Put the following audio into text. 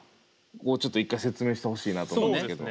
ここをちょっと一回説明してほしいなと思うんですけど。